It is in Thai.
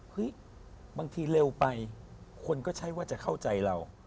บางทีเร็วไปคนก็ใช่ว่าจะเข้าใจเรา